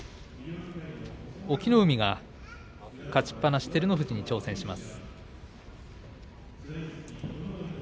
隠岐の海が勝ちっぱなし照ノ富士に挑戦します。